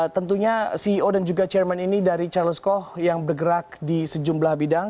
tentunya ceo dan juga chairman ini dari charles cov yang bergerak di sejumlah bidang